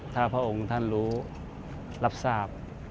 ถ้าพระองค์ท่านรู้รับทราบ